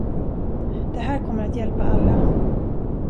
Det här kommer att hjälpa alla.